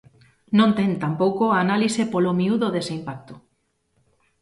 Non ten, tampouco, a análise polo miúdo dese impacto.